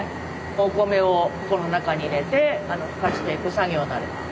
お米をこの中に入れてふかしていく作業になります。